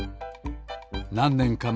なんねんかまえ